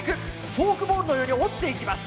フォークボールのように落ちていきます。